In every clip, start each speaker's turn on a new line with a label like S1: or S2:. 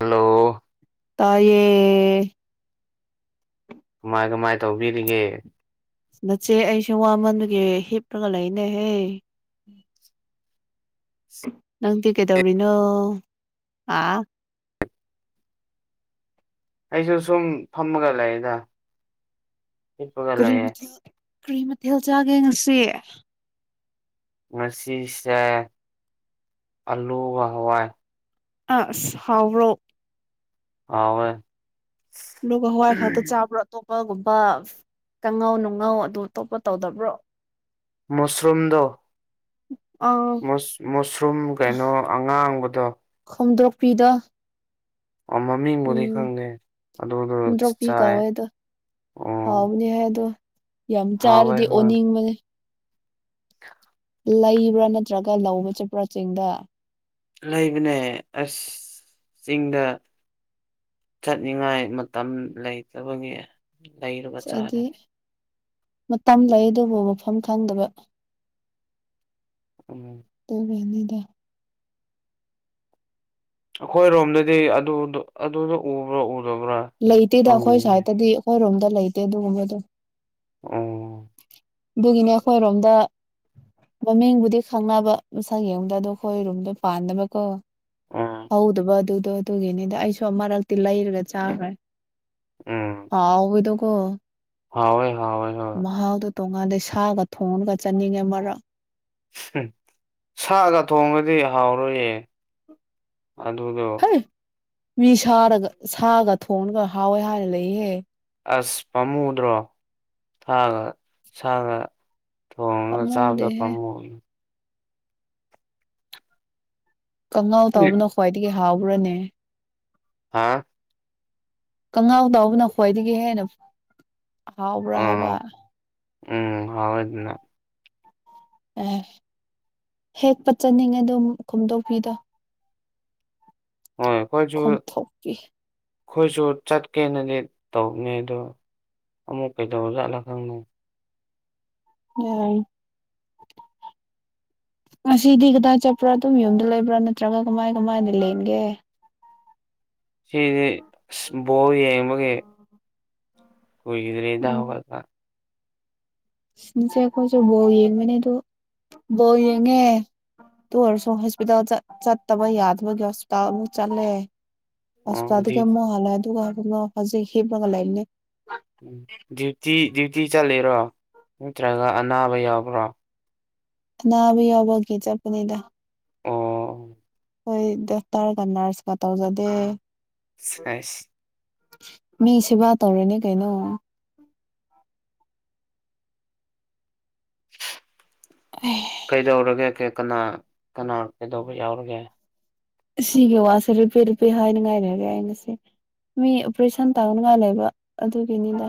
S1: Hello
S2: ꯇꯥꯌꯦ
S1: ꯀꯃꯥꯏ ꯀꯃꯥꯏ ꯇꯧꯕꯤꯔꯤꯒꯦ
S2: ꯅꯆꯦ ꯑꯩꯁꯨ ꯋꯥꯃꯟꯗꯨꯒꯤ ꯍꯤꯞꯄꯒ ꯂꯩꯅꯦꯍꯦ ꯅꯪꯗꯤ ꯀꯩꯗꯧꯔꯤꯅꯣ ꯑ
S1: ꯑꯩꯁꯨ ꯁꯨꯝ ꯐꯝꯃꯒ ꯂꯩꯗ
S2: ꯀꯔꯤ ꯃꯊꯦꯜ ꯀꯔꯤ ꯃꯊꯦꯜ ꯆꯥꯒꯦ ꯉꯁꯤ
S1: ꯉꯁꯤꯁꯦ ꯑꯂꯨꯒ ꯍꯋꯥꯏ
S2: ꯑꯁ ꯍꯥꯎꯕ꯭ꯔꯣ
S1: ꯍꯥꯎꯋꯦ
S2: ꯑꯗꯨꯒ ꯍꯋꯥꯏ ꯈꯥꯛꯇ ꯆꯥꯕ꯭ꯔꯣ ꯑꯇꯣꯞꯄꯒꯨꯝꯕ ꯀꯥꯡꯉꯧ ꯅꯨꯡꯉꯧ ꯑꯗꯨ ꯑꯇꯣꯞꯄ ꯇꯧꯗꯕ꯭ꯔꯣ
S1: ꯃꯁꯔꯨꯝꯗꯣ
S2: [inaudible]
S1: ꯃꯁ ꯃꯁꯔꯨꯝ ꯀꯩꯅꯣ ꯑꯉꯥꯡꯕꯗꯣ
S2: ꯈꯣꯝꯗꯣꯛꯄꯤꯗꯣ
S1: ꯃꯃꯤꯡꯕꯨꯗꯤ
S2: ꯎꯝ
S1: ꯈꯪꯗꯦ ꯑꯗꯨꯗꯣ
S2: ꯍꯨꯝꯗ꯭ꯔꯣꯛꯄꯤ
S1: ꯆꯥꯏ
S2: ꯀꯧꯋꯦ ꯑꯗꯣ
S1: ꯑꯣ
S2: ꯍꯥꯎꯕꯅꯦ ꯍꯦ ꯑꯗꯣ ꯌꯥꯝ
S1: ꯍꯥꯎꯋꯦ
S2: ꯆꯥꯔꯗꯤ
S1: ꯍꯣꯏ
S2: ꯑꯣꯅꯤꯡꯕꯅꯦ ꯂꯩꯕ꯭ꯔꯥ ꯅꯠꯇ꯭ꯔꯒ ꯂꯧꯕ ꯆꯠꯄ꯭ꯔꯥ ꯆꯤꯡꯗ
S1: ꯂꯩꯕꯅꯦ ꯑꯁ ꯆꯤꯡꯗ ꯆꯠꯅꯤꯡꯉꯥꯏ ꯃꯇꯝ ꯂꯩꯇꯕꯒꯤ ꯂꯩꯔꯨꯞ
S2: ꯁꯤ ꯑꯩꯗꯤ ꯃꯇꯝ ꯂꯩ ꯑꯗꯨꯕꯨ ꯃꯐꯝ ꯈꯪꯗꯕ
S1: ꯎꯝ
S2: ꯗꯨꯒꯤꯅꯤꯗ
S1: ꯑꯈꯣꯏꯔꯣꯝꯗꯗꯤ ꯑꯗꯨꯗꯨ ꯑꯗꯨꯗꯣ ꯎꯕ꯭ꯔꯥ ꯎꯗꯕ꯭ꯔꯥ
S2: ꯂꯩꯇꯦꯗ ꯑꯈꯣꯏ
S1: ꯍꯥꯎꯅꯤ
S2: ꯁꯥꯏꯠꯇꯗꯤ ꯑꯈꯣꯏ ꯔꯣꯝꯗ ꯂꯩꯇꯦ ꯑꯗꯨꯒꯨꯝꯕꯗꯣ
S1: ꯑꯣ
S2: ꯗꯨꯒꯤꯅꯦ ꯑꯈꯣꯏꯔꯣꯝꯗ ꯃꯃꯤꯡꯕꯨꯗꯤ ꯈꯪꯑꯕ ꯃꯁꯛ ꯌꯦꯡꯗ ꯑꯗꯣ ꯑꯈꯣꯏ ꯔꯨꯝꯗ ꯄꯥꯟꯗꯕꯀꯣ
S1: ꯎꯝ
S2: ꯍꯧꯗꯕ ꯑꯗꯨꯗꯣ ꯑꯗꯨꯒꯤꯅꯤꯗ ꯑꯩꯁꯨ ꯃꯔꯛꯇꯤ ꯂꯩꯔꯒ ꯆꯥꯈ꯭ꯔꯦ
S1: ꯎꯝ
S2: ꯍꯥꯎꯕꯗ ꯀꯣ
S1: ꯍꯥꯎꯋꯦ ꯍꯥꯎꯋꯦ ꯍꯣꯏ
S2: ꯃꯍꯥꯎꯗꯨ ꯇꯣꯉꯥꯜꯂꯦ ꯁꯥꯒ ꯊꯣꯡꯉꯒ ꯆꯥꯅꯤꯡꯉꯦ ꯃꯔꯛ
S1: ꯍꯨꯝ ꯁꯥꯒ ꯊꯣꯡꯔꯗꯤ ꯍꯥꯎꯔꯣꯏꯌꯦ ꯑꯗꯨꯗꯣ
S2: ꯃꯤ ꯁꯥꯔꯗꯒ ꯁꯥꯒ ꯊꯣꯡꯉꯒ ꯍꯥꯎꯋꯦ ꯍꯥꯏꯅ ꯂꯩꯍꯦ
S1: ꯑꯁ ꯄꯥꯝꯃꯨꯗ꯭ꯔꯣ ꯊꯒ ꯁꯥꯒ ꯊꯣꯡꯉꯒ ꯆꯥꯕꯗꯣ
S2: ꯄꯥꯝꯃꯨꯗꯦꯍꯦ
S1: ꯄꯝꯃꯨꯏ
S2: ꯀꯉꯥꯎ ꯇꯧꯕꯅ ꯈ꯭ꯋꯥꯏꯗꯒꯤ ꯍꯥꯎꯕ꯭ꯔꯅꯦ
S1: ꯍꯥꯥ
S2: ꯀꯉꯥꯎ ꯇꯥꯎꯕꯅ ꯈ꯭ꯋꯥꯏꯗꯒꯤ ꯍꯦꯟꯅ ꯍꯥꯎꯕ꯭ꯔꯥ ꯍꯥꯏꯕ
S1: ꯑꯥ ꯎꯝ ꯍꯥꯎꯋꯦ ꯗꯨꯅ
S2: ꯑꯦ ꯍꯦꯛꯇ ꯆꯠꯅꯤꯡꯉꯦ ꯑꯗꯨꯝ ꯈꯣꯝꯗꯣꯛꯄꯤꯗꯣ
S1: ꯍꯣꯏ ꯑꯈꯣꯏꯁꯨ
S2: ꯈꯣꯝꯊꯣꯛꯄꯤ
S1: ꯑꯩꯈꯣꯏꯁꯨ ꯆꯠꯀꯦꯅꯗꯤ ꯇꯧꯚꯅꯦ ꯑꯗꯣ ꯑꯃꯨꯛ ꯀꯩꯗꯧ ꯖꯠꯂꯥ ꯈꯪꯅꯦ
S2: ꯌꯥꯏ ꯉꯁꯤꯗꯤ ꯀꯗꯥꯏ ꯆꯠꯄ꯭ꯔꯥ ꯑꯗꯨꯝ ꯌꯨꯝꯗ ꯂꯩꯕ꯭ꯔꯥ ꯅꯠꯇ꯭ꯔꯒ ꯀꯃꯥꯏ ꯀꯃꯥꯏꯅ ꯂꯦꯟꯒꯦ
S1: ꯁꯤꯗꯤ ꯏꯁ ꯕꯣꯜ ꯌꯦꯡꯕꯒꯤ ꯀꯨꯏꯒꯤꯗ꯭ꯔꯤꯗ
S2: ꯑꯣ
S1: ꯍꯧꯒꯠꯄ
S2: ꯎꯝ ꯆꯦ ꯑꯈꯣꯏꯁꯨ ꯕꯣꯜ ꯌꯦꯡꯕꯅꯦꯗꯣ ꯕꯣꯜ ꯌꯦꯡꯉꯦ ꯑꯗꯨ ꯑꯣꯏꯔꯁꯨ ꯍꯣꯁꯄꯤꯇꯥꯜ ꯆꯠ ꯆꯠꯇꯕ ꯌꯥꯗꯕꯒꯤ ꯍꯣꯁꯄꯤꯇꯥꯜ ꯑꯃꯨꯛ ꯆꯠꯂꯦ
S1: ꯑꯣ ꯗ꯭ꯌꯨ
S2: ꯍꯁꯄꯤꯇꯥꯜꯗꯒꯤ ꯑꯃꯨꯛ ꯍꯜꯂꯛꯑꯦ ꯑꯗꯨꯒ [unintelligible] ꯍꯧꯖꯤꯛ ꯍꯤꯞꯄꯒ ꯂꯩꯝꯅꯦ
S1: ꯎꯝ ꯗ꯭ꯌꯨꯇꯤ ꯗ꯭ꯌꯨꯇꯤ ꯆꯠꯂꯤꯔꯣ ꯅꯠꯇ꯭ꯔꯒ ꯑꯅꯥꯕ ꯌꯥꯎꯕ꯭ꯔꯣ
S2: ꯑꯅꯥꯕ ꯌꯥꯎꯕꯒꯤ ꯆꯠꯄꯅꯤꯗ
S1: ꯑꯣ
S2: ꯍꯣꯏ ꯗꯥꯛꯇꯔꯒ ꯅꯔꯁꯀ ꯇꯧꯖꯗꯦ
S1: [unintelligible]
S2: ꯃꯤ ꯁꯦꯕꯥ ꯇꯧꯔꯤꯅꯤ ꯀꯩꯅꯣ [unintelligible]
S1: ꯀꯩꯗꯧꯔꯒꯦ ꯀꯦ ꯀꯅꯥ ꯀꯅꯥ ꯀꯩꯗꯧꯕ ꯌꯥꯎꯔꯒꯦ
S2: ꯑꯁꯤꯒꯤ ꯋꯥꯁꯦ [unintelligible] ꯍꯥꯏꯅꯤꯉꯥꯏ ꯂꯩꯔꯦ ꯑꯩꯅ ꯁꯤ ꯃꯤ ꯑꯣꯄ꯭ꯔꯦꯁꯟ ꯇꯧꯅꯉꯥꯏ ꯂꯩꯕ ꯑꯗꯨꯒꯤꯅꯤꯗ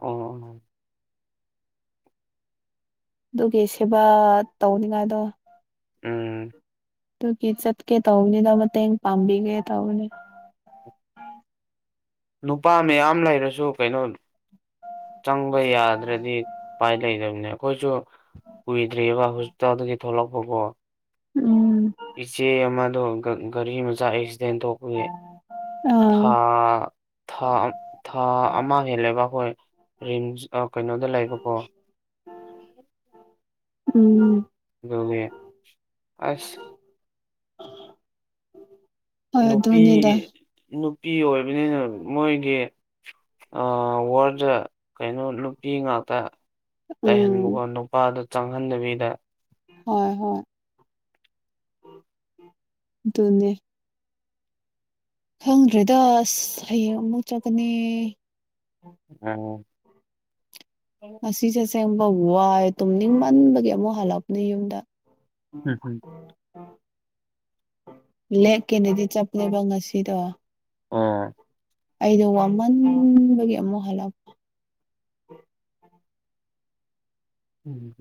S1: ꯑꯣ
S2: ꯑꯗꯨꯒꯤ ꯁꯦꯕꯥ ꯇꯧꯅꯤꯉꯥꯏꯗꯣ
S1: ꯎꯝ
S2: ꯑꯗꯨꯒꯤ ꯆꯠꯀꯦ ꯇꯧꯕꯅꯤꯗ ꯃꯇꯦꯡ ꯄꯥꯡꯕꯤꯒꯦ ꯇꯧꯕꯅꯤ
S1: ꯅꯨꯄꯥ ꯃꯌꯥꯝ ꯂꯩꯔꯁꯨ ꯀꯩꯅꯣ ꯆꯪꯕ ꯌꯥꯗ꯭ꯔꯗꯤ ꯎꯄꯥꯏ ꯂꯩꯗꯕꯅꯦ ꯑꯩꯈꯣꯏꯁꯨ ꯀꯨꯏꯗ꯭ꯔꯤꯌꯦꯕ ꯍꯣꯁꯄꯤꯇꯥꯜꯗꯒꯤ ꯊꯣꯛꯂꯛꯄꯀꯣ
S2: ꯎꯝ
S1: ꯏꯆꯦ ꯑꯃꯗꯣ ꯒ ꯒꯔꯤ ꯃꯆꯥ ꯑꯦꯛꯁꯤꯗꯦꯟ ꯊꯣꯛꯄꯒꯤ ꯊꯥ
S2: ꯑꯥ
S1: ꯊꯥ ꯑꯝ ꯊꯥ ꯑꯃ ꯍꯦꯜꯂꯦꯕ ꯑꯩꯈꯣꯏ ꯔꯤꯝꯁ ꯑ ꯀꯩꯅꯣꯗ ꯂꯩꯕꯀꯣ
S2: ꯎꯝ
S1: ꯑꯗꯨꯒꯤ ꯑꯁ
S2: ꯍꯣꯏ
S1: ꯅꯨꯄꯤ
S2: ꯑꯗꯨꯅꯤꯗ
S1: ꯅꯨꯄꯤ ꯑꯣꯏꯕꯅꯤꯅ ꯃꯣꯏꯒꯤ ꯑꯥ ꯋꯥꯔꯠꯗ ꯀꯩꯅꯣ ꯅꯨꯄꯤ ꯉꯥꯛꯇ
S2: ꯎꯝ
S1: ꯂꯩꯍꯟꯕꯀꯣ ꯅꯨ ꯄꯥꯗꯨ ꯆꯪꯍꯟꯗꯕꯤꯗ
S2: ꯍꯣꯏ ꯍꯣꯏ ꯑꯗꯨꯅꯦ ꯈꯪꯗ꯭ꯔꯦꯗ ꯑꯁ ꯍꯌꯦꯡ ꯑꯃꯨꯛ ꯆꯠꯀꯅꯤ
S1: [unintelligible]
S2: ꯁꯤꯁꯦ ꯑꯁꯦꯡꯕ ꯋꯥꯏ ꯇꯨꯝꯅꯤꯡꯃꯟꯕꯒꯤ ꯑꯃꯨꯛ ꯍꯜꯂꯛꯄꯅꯤ ꯌꯨꯝꯗ
S1: ꯎꯝ ꯎꯝ
S2: [unintelligible] ꯂꯦꯛꯀꯦꯅꯗꯤ ꯆꯠꯄꯅꯦꯕ ꯉꯁꯤꯗꯣ
S1: ꯎꯝ
S2: ꯑꯩꯗꯣ ꯋꯥꯃꯟꯕꯒꯤ ꯑꯃꯨꯛ ꯍꯜꯂꯛ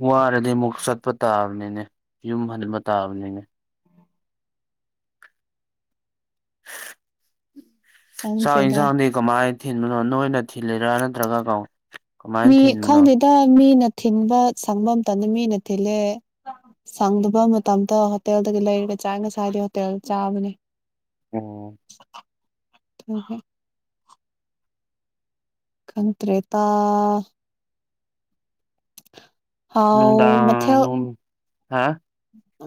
S1: ꯋꯥꯔꯗꯤ ꯑꯃꯨꯛ ꯆꯠꯄ ꯇꯥꯕꯅꯤꯅꯦ ꯌꯨꯝ ꯍꯟꯕ ꯇꯥꯕꯅꯤꯅꯦ ꯆꯥꯛ
S2: ꯈꯪꯗ꯭ꯔꯦꯗ
S1: ꯏꯟꯁꯥꯡꯗꯤ ꯀꯃꯥꯏ ꯊꯤꯟꯕꯅꯣ ꯅꯣꯏꯅ ꯊꯤꯜꯂꯤꯔꯥ ꯅꯠꯇ꯭ꯔꯒ ꯀꯥꯎ
S2: ꯃꯤ ꯈꯪꯗꯦꯗ ꯃꯤꯅ ꯊꯤꯟꯕ ꯁꯪꯕ ꯃꯇꯝꯗ ꯃꯤꯅ ꯊꯤꯜꯂꯦ ꯁꯪꯗꯕ ꯃꯇꯝꯗ ꯍꯣꯇꯦꯜꯗꯒꯤ ꯂꯩꯔꯒ ꯆꯥꯏ ꯉꯁꯥꯏꯗꯤ ꯍꯣꯇꯦꯜ ꯆꯥꯕꯅꯤ
S1: ꯑꯣ
S2: [unintelligible] ꯈꯪꯇ꯭ꯔꯦꯇꯥ ꯍꯥꯎ
S1: ꯅꯨꯡꯗꯥꯡ
S2: ꯃꯊꯦꯜ
S1: ꯅꯨꯡ ꯍꯥ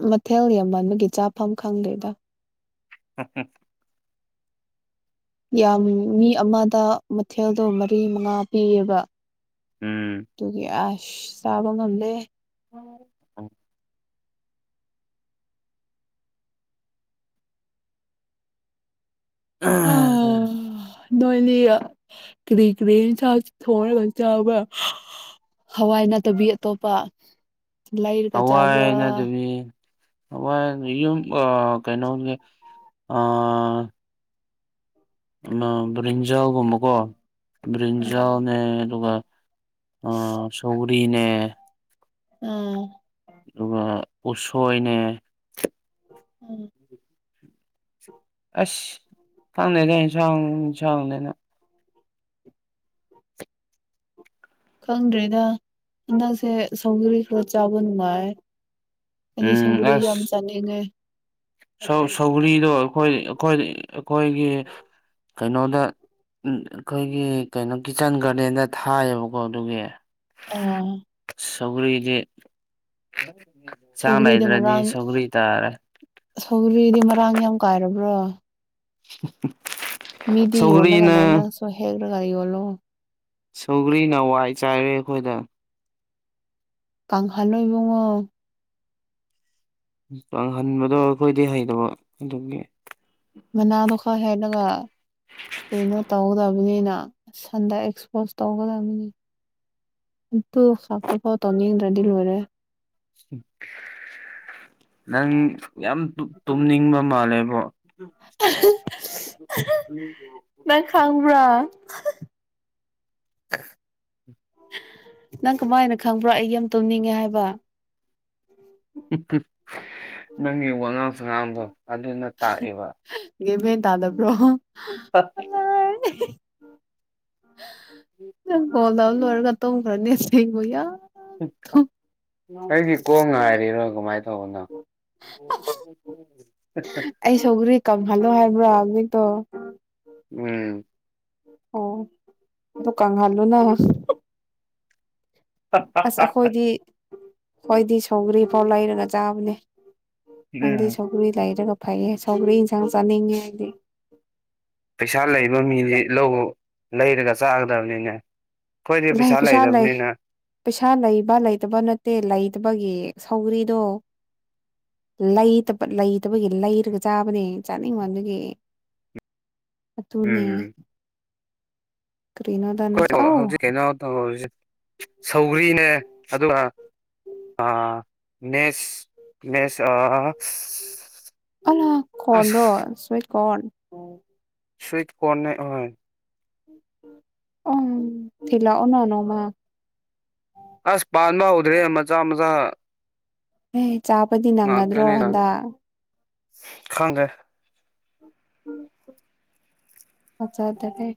S2: ꯃꯊꯦꯜ ꯌꯥꯝꯃꯟꯕꯒꯤ ꯆꯥꯐꯝ ꯈꯪꯗꯦꯗ꯫
S1: [unintelligible]
S2: ꯌꯥꯝ ꯃꯤ ꯑꯃꯗ ꯃꯊꯦꯜꯗꯣ ꯃꯔꯤ ꯃꯉꯥ ꯄꯤꯌꯦꯕ꯫
S1: ꯎꯝ
S2: ꯑꯗꯨꯒꯤ ꯑꯁ ꯆꯥꯕ ꯉꯝꯗꯦ꯫
S1: [unintelligible]
S2: [unintelligible] ꯅꯣꯏꯅꯤ ꯀꯔꯤ ꯀꯔꯤ ꯌꯦꯟꯁꯥꯡ ꯊꯣꯡꯔꯒ ꯆꯥꯕ꯭ꯔ꯫ ꯍꯋꯥꯏ ꯅꯠꯇꯕꯤ ꯑꯇꯣꯞꯄ꯫ ꯂꯩꯔꯒ
S1: ꯍꯋꯥꯏ
S2: ꯆꯥꯕ꯭ꯔꯥ
S1: ꯅꯗꯕꯤ ꯍꯋꯥꯏ ꯌꯨꯝ ꯑ ꯀꯩꯅꯣꯒꯤ ꯑ ꯑꯃ ꯕ꯭ꯔꯤꯟꯖꯥꯥꯜꯒꯨꯝꯕꯀꯣ
S2: ꯑꯥ
S1: ꯕ꯭ꯔꯤꯟꯖꯥꯜꯅꯦ ꯑꯗꯨꯒ ꯑꯥ ꯁꯧꯒꯔꯤꯅꯦ
S2: ꯎꯝ
S1: ꯑꯗꯨꯒ ꯎꯁꯣꯏꯅꯦ
S2: ꯎꯝ
S1: ꯑꯁ ꯈꯡꯗꯦꯅꯦ ꯏꯟꯁꯥꯡ ꯏꯟꯁꯥꯡꯅꯤꯅ
S2: ꯈꯪꯗ꯭ꯔꯦꯗ ꯍꯟꯗꯛꯁꯦ ꯁꯧꯒꯔꯤ ꯈꯔ ꯆꯥꯕ ꯅꯨꯡꯉꯥꯏ ꯑꯩꯗꯤ
S1: ꯎꯝ
S2: ꯁꯪꯒꯔꯤ
S1: ꯑꯁ
S2: ꯌꯥꯝ ꯆꯥꯅꯤꯡꯉꯦ
S1: ꯁꯧ ꯁꯧꯒ꯭ꯔꯤꯗꯣ ꯑꯩꯈꯣꯏ ꯑꯩꯈꯣꯏ ꯑꯩꯈꯣꯏꯒꯤ ꯀꯩꯅꯣꯗ ꯎꯝ ꯑꯩꯈꯣꯏꯒꯤ ꯀꯩꯅꯣ ꯀꯤꯠꯆꯟ ꯒꯥꯔꯗꯦꯟꯗ ꯊꯥꯏꯌꯦꯕꯀꯣ ꯑꯗꯨꯒꯤ
S2: ꯑꯣ
S1: ꯁꯧꯒ꯭ꯔꯤꯗꯤ ꯆꯥ
S2: ꯁꯧꯒ꯭ꯔꯤꯗꯤ
S1: ꯂꯩꯗ꯭ꯔꯗꯤ
S2: ꯃꯔꯥꯡ
S1: ꯁꯧꯒ꯭ꯔꯤ ꯇꯥꯔꯦ
S2: ꯁꯧꯒ꯭ꯔꯤꯗꯤ ꯃꯔꯥꯡ ꯌꯥꯝ ꯀꯥꯏꯔꯕ꯭ꯔꯣ
S1: [inaudible]
S2: ꯃꯤꯗꯤ ꯌꯣꯜꯂꯒꯥ
S1: ꯁꯧꯒ꯭ꯔꯤꯅ
S2: ꯂꯩ ꯅꯪꯁꯨ ꯍꯦꯛꯔꯒ ꯌꯣꯜꯂꯣ
S1: ꯁꯧꯒ꯭ꯔꯤꯅꯋꯥꯏ ꯆꯥꯏꯔꯦ ꯑꯩꯈꯣꯏꯗ
S2: ꯀꯥꯡꯍꯜꯂꯣ ꯏꯕꯨꯡꯉꯣ
S1: ꯄꯪꯍꯟꯕꯗꯣ ꯑꯩꯈꯣꯏꯗꯤ ꯍꯩꯇꯕ ꯑꯗꯨꯒꯤ
S2: ꯃꯅꯥꯗꯣ ꯈꯔ ꯍꯦꯠꯂꯒ ꯀꯩꯅꯣ ꯇꯧꯗꯕꯅꯤꯅ ꯁꯟꯗ ꯑꯦꯛꯁꯄꯣꯖ ꯇꯧꯒꯗꯕꯅꯤ ꯑꯗꯨ ꯈꯥꯛꯇ ꯐꯥꯎ ꯇꯧꯅꯤꯡꯗ꯭ꯔꯗꯤ ꯂꯣꯏꯔꯦ
S1: ꯅꯪ ꯌꯥꯝ ꯇꯨꯝꯅꯤꯡꯕ ꯃꯥꯜꯂꯦꯕꯣ
S2: ꯑ [unintelligible]
S1: ꯇꯨꯝꯅꯤꯡꯕꯔꯣ
S2: ꯅꯪ ꯈꯪꯕ꯭ꯔꯥ ꯍ [inaudible] ꯅꯪ ꯀꯃꯥꯏꯅ ꯈꯪꯕ꯭ꯔꯣ ꯑꯩ ꯌꯥꯝ ꯇꯨꯝꯅꯤꯡꯉꯦ ꯍꯥꯏꯕ
S1: ꯅꯪꯒꯤ ꯋꯥꯉꯥꯡ ꯁꯉꯡꯗꯣ ꯑꯗꯨꯅ ꯇꯥꯛꯑꯦꯕ
S2: ꯒꯌꯟ ꯃꯦ ꯇꯥꯗꯕ꯭ꯔꯣ
S1: [inaudible]
S2: ꯍꯥꯏ ꯅꯪ ꯀꯣꯜ ꯇꯧ ꯂꯣꯏꯔꯒꯥ ꯇꯨꯝ ꯔꯅꯦ ꯁꯦꯡꯕ ꯌꯥ
S1: ꯑꯩꯗꯤ ꯀꯣꯝꯉꯥꯏꯔꯤꯔꯣ ꯀꯃꯥꯏ ꯇꯧꯕꯅꯣ
S2: ꯑꯩ ꯁꯧꯒ꯭ꯔꯤ ꯀꯝꯍꯜꯂꯣ ꯍꯥꯏꯕ꯭ꯔꯥ ꯍꯧꯖꯤꯛꯇꯣ
S1: ꯎꯝ
S2: ꯑꯣ [unintelligible] ꯑꯁ ꯑꯩꯈꯣꯏꯗꯤ ꯈꯣꯢꯗꯤ ꯁꯧꯒ꯭ꯔꯤ ꯐꯥꯎ ꯂꯩꯔꯒ ꯆꯥꯕꯅꯦ
S1: ꯎꯝ
S2: ꯅꯪꯗꯤ ꯁꯧꯒ꯭ꯔꯤ ꯂꯩꯔꯒ ꯐꯩꯌꯦ ꯁꯧꯒ꯭ꯔꯤ ꯏꯟꯁꯥꯡ ꯆꯥꯅꯤꯡꯉꯦ ꯑꯩꯗꯤ
S1: ꯄꯩꯁꯥ ꯂꯩꯕ ꯃꯤꯗꯤ ꯂꯧ ꯂꯩꯔꯒ ꯆꯥꯒꯗꯥꯕꯅꯤꯅꯦ
S2: ꯂꯩ ꯄꯩꯁꯥ ꯂꯩ ꯄꯩꯁꯥ ꯂꯩꯕ ꯂꯩꯇꯕ ꯅꯠꯇꯦ ꯂꯩꯇꯥꯕꯒꯤ ꯁꯧꯒ꯭ꯔꯤꯗꯣ ꯂꯩꯇꯕ ꯂꯩꯇꯕꯒꯤ ꯂꯩꯔꯒ ꯆꯥꯕꯅꯦ ꯆꯥꯅꯤꯡꯃꯟꯕꯒꯤ ꯑꯗꯨꯅꯦ
S1: ꯎꯝ
S2: ꯀꯔꯤꯅꯣꯗ
S1: ꯈꯣꯢ
S2: ꯅꯪꯁꯨ
S1: [unintelligible]
S2: ꯑꯧ
S1: ꯍꯧꯖꯤꯛ ꯀꯩꯅꯣ ꯇꯧꯔꯤꯖꯦ ꯁꯧꯒ꯭ꯔꯤꯅꯦ ꯑꯗꯨꯒ ꯑ ꯅꯦꯁ ꯅꯦꯁ ꯑꯥ
S2: ꯑꯜꯂ ꯀꯣꯟ ꯔꯣ ꯁꯨꯏꯠ ꯀꯣꯟ
S1: ꯁꯨꯏꯠ ꯀꯣꯟꯅꯦ ꯑꯍꯣꯢ
S2: ꯎꯝ ꯊꯤꯜꯂꯥꯛꯑꯣꯅꯦ ꯅꯣꯡꯃꯥ
S1: ꯑꯁ ꯄꯥꯟꯕ ꯍꯧꯗ꯭ꯔꯤ ꯃꯆꯥ ꯃꯆꯥ
S2: ꯑꯦ ꯆꯥꯎꯕꯗꯤ ꯅꯪꯒꯗ꯭ꯔꯣ
S1: ꯉꯥꯛꯇꯅꯤꯅ
S2: ꯍꯟꯗꯥꯛ
S1: ꯈꯪꯗꯦ
S2: ꯐꯖꯥꯗꯔꯦ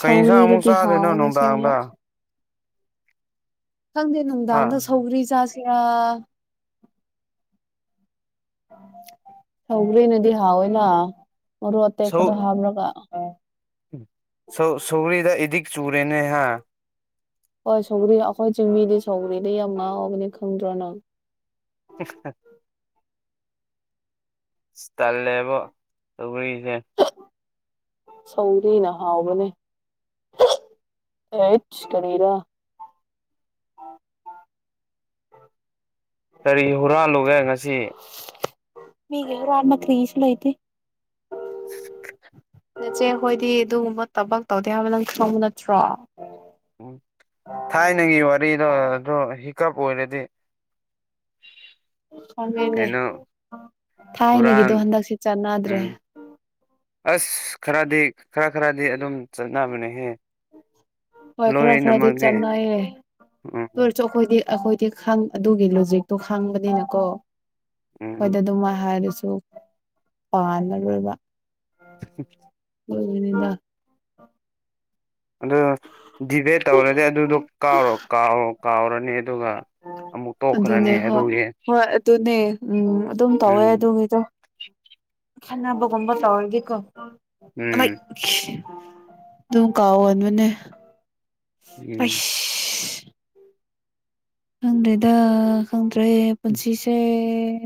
S1: ꯀꯩ ꯌꯦꯟꯁꯥꯡ ꯑꯃꯨꯛ
S2: ꯁꯧꯒ꯭ꯔꯤꯗꯨꯗꯤ
S1: ꯆꯥꯗꯣꯏꯅꯣ
S2: ꯍꯥꯎꯕꯅꯦ ꯑꯁꯦꯡꯕ
S1: ꯅꯨꯡꯗꯥꯡꯗ
S2: ꯈꯪꯗꯦ
S1: ꯍꯥ
S2: ꯅꯨꯡꯗꯥꯡꯗꯥ ꯁꯧꯒ꯭ꯔꯤ ꯆꯥꯁꯤꯔꯥ ꯁꯧꯒ꯭ꯔꯤꯅꯗꯤ ꯍꯥꯎꯋꯦꯅ ꯃꯣꯔꯣꯛ
S1: ꯁꯧ
S2: ꯑꯇꯦꯛꯄꯗꯣ ꯍꯥꯞꯔꯥꯒꯥ
S1: ꯁꯧ ꯁꯧꯔꯤꯗ ꯏꯗꯤꯛ ꯆꯨꯔꯦꯅꯦ ꯍꯥ
S2: ꯍꯣꯏ ꯁꯧꯒ꯭ꯔꯤ ꯑꯩꯈꯣꯏ ꯆꯤꯡ ꯃꯤꯗꯤ ꯁꯧꯒ꯭ꯔꯤꯗꯥ ꯌꯥꯝ ꯉꯥꯎꯕꯅꯦ ꯈꯪꯗ꯭ꯔꯣ ꯅꯪ
S1: ꯁꯤꯁꯇ ꯢꯁ ꯇꯜꯂꯦꯕꯣ ꯇꯧꯔꯤꯖꯦ
S2: ꯁꯧꯒ꯭ꯔꯤꯅ ꯍꯥꯎꯕꯅꯦ [unintelligible] ꯑꯦꯆ ꯀꯅꯤꯔꯥ
S1: ꯀꯔꯤ ꯍꯨꯔꯥꯜꯂꯨꯒꯦ ꯉꯥꯁꯤ
S2: ꯃꯤꯒꯤ ꯍꯨꯔꯥꯟꯕ [unintelligible] ꯂꯩꯇꯦ
S1: [unintelligible]
S2: ꯅꯆꯦ ꯍꯣꯏꯗꯤ ꯑꯗꯨꯒꯨꯝꯕ ꯊꯕꯛ ꯇꯧꯗꯦ ꯍꯥꯏꯕ ꯅꯪ ꯈꯪꯕ ꯅꯠꯇ꯭ꯔꯣ
S1: ꯎꯝ ꯊꯥꯏꯅꯒꯤ ꯋꯥꯔꯤꯔꯣ ꯑꯗꯨ ꯍꯤꯀꯞ ꯑꯣꯏꯔꯗꯤ ꯍꯥꯏ
S2: ꯈꯪꯉꯦꯅꯦ
S1: ꯍꯨꯔꯥꯟ
S2: ꯊꯥꯏꯅꯒꯤꯗꯣ ꯍꯟꯗꯛꯁꯤ ꯆꯠꯅꯗ꯭ꯔꯦ
S1: ꯎꯝ ꯑꯁ ꯈꯥꯔꯥꯗꯤ ꯈꯔ ꯈꯥꯔꯥꯗꯤ ꯑꯗꯨꯝ ꯆꯠꯅꯕꯅꯦꯍꯦ
S2: ꯍꯣꯏ ꯈꯔ ꯈꯥꯔꯗꯤ
S1: ꯂꯣꯏꯅꯃꯛꯗꯤ
S2: ꯆꯥꯟꯅꯩꯔꯦ
S1: ꯎꯝ
S2: ꯑꯗꯨ ꯑꯣꯢꯔꯁꯨ ꯑꯩꯈꯣꯏꯗꯤ ꯑꯩꯈꯣꯏꯗꯤ ꯈꯪ ꯑꯗꯨꯒꯤ ꯂꯣꯖꯤꯛꯇꯣ ꯈꯥꯡꯕꯅꯤꯅꯥꯀꯣ
S1: ꯎꯝ
S2: ꯑꯩꯈꯣꯏꯗ ꯑꯗꯨꯝꯃꯥꯢ ꯍꯥꯏꯔꯁꯨ ꯄꯥꯟꯅꯔꯣꯏꯕꯥ
S1: [unintelligible]
S2: [unintelligible]
S1: ꯑꯗꯨ ꯗꯤꯕꯦꯠ ꯇꯧꯔꯗꯤ ꯑꯗꯨꯗꯣ ꯀꯥꯎꯔꯣ ꯀꯥꯎꯔꯣ ꯀꯥꯎꯔꯅꯤ ꯑꯗꯨꯒꯥ
S2: ꯑꯗꯨꯅꯦ ꯍꯣꯏ ꯍꯣꯏ ꯑꯗꯨꯅꯦ ꯎꯝ ꯑꯗꯨꯝ ꯇꯧꯋꯦ
S1: ꯎꯝ
S2: ꯑꯗꯨꯒꯤꯗꯣ ꯈꯠꯅꯥꯕꯒꯨꯝꯕ ꯇꯧꯔꯗꯤꯀꯣ
S1: ꯎꯝ
S2: [unintelligible] ꯑꯗꯨꯝ ꯀꯥꯎꯒꯅꯨꯅꯦ
S1: ꯎꯝ
S2: ꯑꯩꯁ ꯈꯪꯗ꯭ꯔꯦꯗꯥ ꯈꯪꯗ꯭ꯔꯦ ꯄꯨꯟꯁꯤꯁꯦ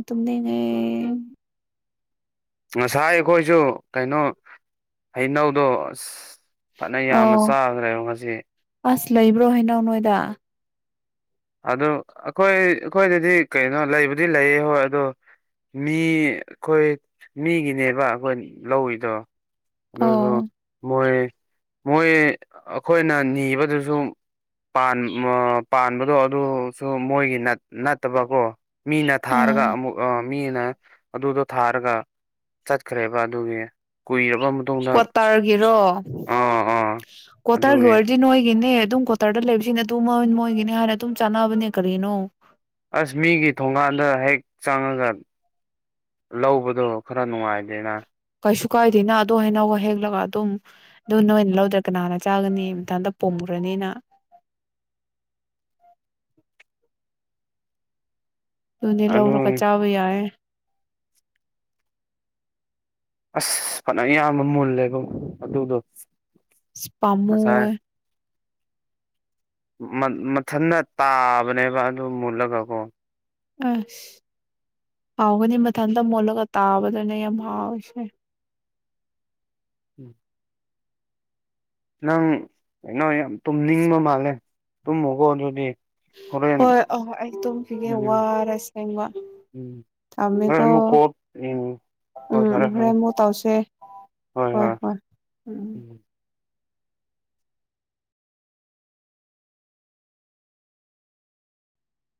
S2: ꯇꯨꯝꯅꯤꯡꯉꯦ
S1: ꯉꯥꯁꯥꯏ ꯑꯩꯈꯣꯏꯁꯨ ꯀꯩꯅꯣ ꯍꯩꯅꯧꯗꯣ ꯑꯁ ꯐꯥꯅ ꯌꯥꯝꯅ
S2: ꯑꯧ
S1: ꯆꯥꯕꯅꯦꯕ ꯉꯥꯁꯤ
S2: ꯑꯁ ꯂꯩꯕ꯭ꯔꯣ ꯍꯩꯅꯧ ꯅꯣꯏꯗ
S1: ꯑꯗꯨ ꯑꯩꯈꯣꯏ ꯑꯩꯈꯣꯏꯗꯗꯤ ꯀꯩꯅꯣ ꯂꯩꯕꯨꯗꯤ ꯂꯩꯌꯦ ꯍꯣꯏ ꯑꯗꯣ ꯃꯤ ꯑꯩꯈꯣꯏ ꯃꯤꯒꯤꯅꯦꯕ ꯑꯩꯈꯣꯏ ꯂꯧꯏꯗꯣ ꯑꯗꯨꯒ
S2: ꯑꯣ
S1: ꯃꯣꯏ ꯃꯣꯏ ꯑꯩꯈꯣꯏꯅ ꯅꯤꯕꯗꯨꯁꯨꯝ ꯄꯥꯟ ꯃ ꯄꯥꯟꯕꯗꯣ ꯑꯗꯨꯁꯨ ꯃꯣꯏꯒꯤ ꯅꯠ ꯅꯠꯇꯕꯀꯣ ꯃꯤꯅ ꯊꯥꯔꯒ
S2: ꯎꯝ
S1: ꯑꯃꯨꯛ ꯑ ꯃꯤꯅ ꯑꯗꯨꯗꯣ ꯊꯥꯔꯒ ꯆꯠꯈ꯭ꯔꯦꯕ ꯑꯗꯨꯒꯤ ꯀꯨꯏꯔꯕ ꯃꯇꯨꯡꯗ ꯑꯥ ꯑꯥ
S2: ꯀꯣꯠꯇꯔꯒꯤ
S1: ꯑꯗꯨꯒꯤ
S2: ꯑꯣꯏꯔꯗꯤ ꯅꯣꯏꯒꯤꯅꯦ ꯑꯗꯨꯝ ꯀꯣꯠ ꯇꯔꯗ ꯂꯩꯕꯁꯤꯡꯅ ꯑꯗꯨꯝ ꯃꯣꯏ ꯃꯣꯏꯒꯤꯅꯤ ꯍꯥꯏꯅ ꯑꯗꯨꯝ ꯆꯥꯟꯅꯕꯅꯦ ꯀꯔꯤꯅꯣ
S1: ꯑꯁ ꯃꯤꯒꯤ ꯊꯣꯡꯒꯥꯟꯗ ꯍꯦꯛ ꯆꯪꯉꯥꯒ ꯂꯧꯕꯗꯣ ꯈꯔ ꯅꯨꯡꯉꯥꯏꯗꯦꯅ
S2: ꯀꯩꯁꯨ ꯀꯥꯏꯗꯦꯅ ꯑꯗꯨ ꯍꯥꯏꯅꯧ ꯍꯦꯛꯂꯒ ꯑꯗꯨꯝ ꯑꯗꯨ ꯅꯣꯏꯅ ꯂꯧꯗ꯭ꯔꯥ ꯀꯅꯥꯅ ꯆꯥꯒꯅꯤ ꯃꯊꯟꯇ ꯄꯨꯝꯈꯔꯅꯤꯅ ꯑꯗꯨꯅꯦ
S1: ꯑꯗꯨ
S2: ꯂꯧꯔꯒ ꯆꯥꯕ ꯌꯥꯏꯌꯦ꯫
S1: ꯑꯁ ꯐꯅ ꯌꯥꯝꯕ ꯃꯨꯜꯂꯦꯕ ꯑꯗꯨꯗꯣ
S2: ꯑꯁ ꯄꯥꯝꯃꯨꯋꯦ
S1: ꯉꯁꯥꯏ ꯃꯟ ꯃꯊꯟꯅ ꯇꯥꯕꯅꯦꯕ ꯑꯗꯨ ꯃꯨꯜꯂꯒ ꯀꯣ
S2: ꯑꯁ ꯍꯥꯎꯒꯅꯤ ꯃꯊꯟꯇ ꯃꯣꯠꯂꯒ ꯇꯥꯕꯗꯨꯅ ꯌꯥꯝ ꯍꯥꯎꯔꯤꯁꯦ꯫
S1: ꯎꯝ ꯅꯪ ꯀꯩꯅꯣ ꯌꯥꯝ ꯇꯨꯝꯅꯤꯡꯕ ꯃꯥꯜꯂꯦ ꯇꯨꯝꯃꯣꯀꯣ ꯑꯗꯨꯗꯤ ꯍꯣꯔꯦꯟ
S2: ꯍꯣꯏ ꯑꯍꯥ ꯑꯩ ꯇꯨꯝꯈꯤꯒꯦ
S1: ꯎꯝ
S2: ꯋꯥꯔꯦ ꯑꯁꯦꯡꯕ
S1: ꯎꯝ ꯑꯩ
S2: ꯊꯝꯃꯦꯀꯣ
S1: ꯑꯃꯨꯛ ꯀꯣꯜ ꯎꯝ ꯍꯣꯏ
S2: ꯎꯝ
S1: ꯐꯔꯦ
S2: ꯍꯣꯔꯦꯟ
S1: ꯐꯔꯦ
S2: ꯑꯃꯨꯛ ꯇꯧꯁꯦ ꯍꯣꯏ ꯍꯣꯏ ꯎꯝ